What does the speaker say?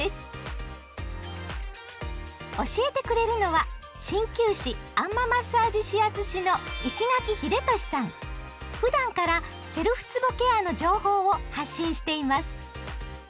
教えてくれるのは鍼灸師あん摩マッサージ指圧師のふだんからセルフつぼケアの情報を発信しています。